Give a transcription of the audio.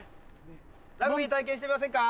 ラグビー体験してみませんか？